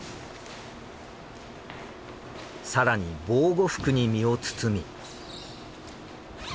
更に防護服に身を包み。